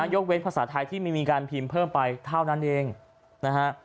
ยกเว้นภาษาไทยที่ไม่มีการพิมพ์เพิ่มไปเท่านั้นเองนะฮะ